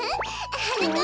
はなかっ